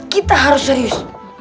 kita harus serius